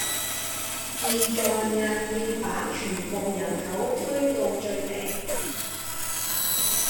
現在硬要把全部人口推到最頂